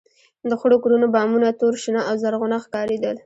د خړو کورونو بامونه تور، شنه او زرغونه ښکارېدل.